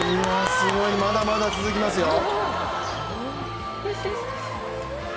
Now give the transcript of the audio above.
すごい、まだまだ続きますよ。